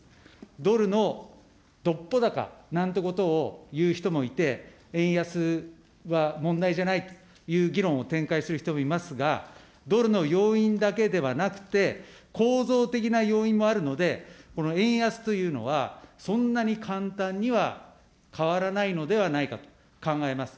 ドルのどっぽ高なんてことを言う人もいて、円安は問題じゃないという議論を展開する人もいますが、ドルの要因だけではなくて、構造的な要因もあるので、この円安というのは、そんなに簡単には変わらないのではないかと考えます。